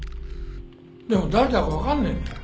でも誰だか分かんねえんだよ。